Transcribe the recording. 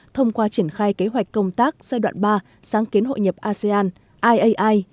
thông qua triển khai kế hoạch công tác giai đoạn ba sáng kiến hội nhập asean iai